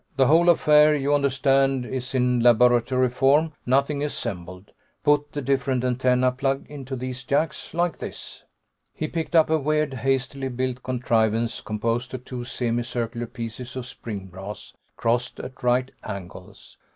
"The whole affair, you understand, is in laboratory form. Nothing assembled. Put the different antennae plug into these jacks. Like this." He picked up a weird, hastily built contrivance composed of two semi circular pieces of spring brass, crossed at right angles.